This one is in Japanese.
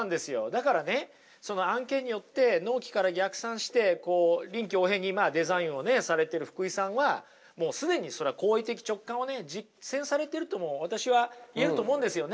だからねその案件によって納期から逆算してこう臨機応変にデザインをねされてる福井さんはもう既にそれは行為的直観をね実践されてるとも私は言えると思うんですよね。